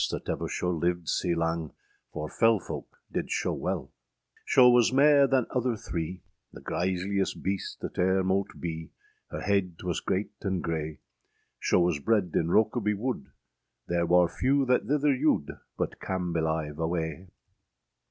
that ever scho lived sea lang, For fell folk did scho wele. Scho was mare than other three, The grizeliest beast that ere mote bee Her hede was greate and graye; Scho was bred in Rokebye woode, Ther war few that thither yoode, {130a} But cam belive awaye.